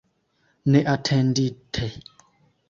Neatendite.